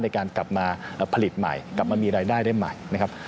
ในการกลับมาผลิตใหม่กลับมามีรายได้ได้ใหม่นะครับ